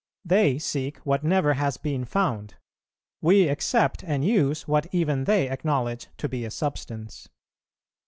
They seek what never has been found; we accept and use what even they acknowledge to be a substance.